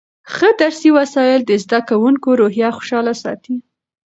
ښه درسي وسایل د زده کوونکو روحیه خوشحاله ساتي.